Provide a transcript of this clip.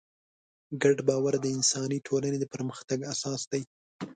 ګډ باور د انساني ټولنو د پرمختګ اساس دی.